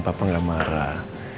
papa enggak marah